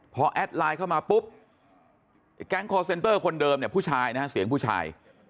พอแอดไลน์เข้ามาปุ๊บไอ้แก๊งคอร์เซนเตอร์คนเดิมเนี่ยผู้ชายนะฮะเสียงผู้ชาย